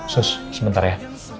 sus sebentar ya